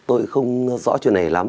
tôi không rõ chuyện này lắm